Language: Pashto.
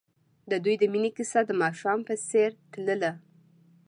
د دوی د مینې کیسه د ماښام په څېر تلله.